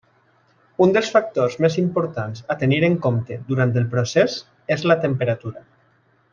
Un dels factors més importants a tenir en compte durant el procés és la temperatura.